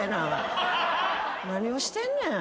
何をしてんねん。